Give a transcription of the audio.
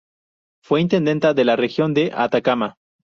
Fue Intendenta de la Región de Atacama.